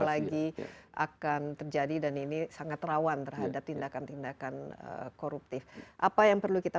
lagi akan terjadi dan ini sangat rawan terhadap tindakan tindakan koruptif apa yang perlu kita